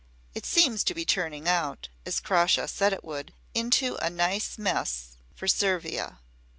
It seems to be turning out, as Crawshaw said it would, into a nice mess for Servia.